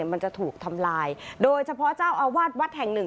มันจะถูกทำลายโดยเฉพาะเจ้าอาวาสวัดแห่งหนึ่ง